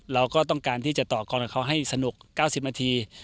เราก็ต้องการที่จะต่อกรกับเขาให้สนุก๙๐นาที